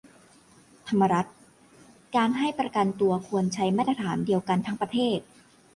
ธรรมรัตน์ : การให้ประกันตัวควรใช้มาตรฐานเดียวกันทั้งประเทศ